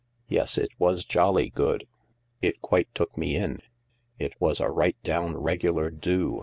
" Yes, it was jolly good. It quite took me in. It was a right down regular do.